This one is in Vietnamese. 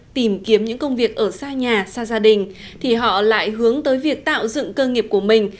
tìm kiếm những công việc ở xa nhà xa gia đình thì họ lại hướng tới việc tạo dựng cơ nghiệp của mình